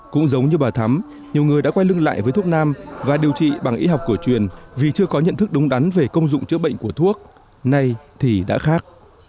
cũng giống như bà thắm nhiều người đã quay lưng lại với thuốc nam và điều trị bằng y học cổ truyền vì chưa có nhận thức đúng đắn về công dụng chữa bệnh của thuốc nay thì đã khác